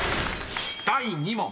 ［第２問］